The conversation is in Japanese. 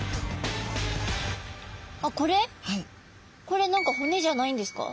これ何か骨じゃないんですか？